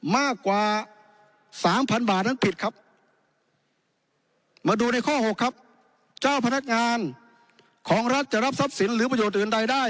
มากกว่าสามพันบาทนั้นผิดครับมาดูในข้อหกครับเจ้าพนักงานของรัฐจะรับทรัพย์สินหรือประโยชน์อื่นใดได้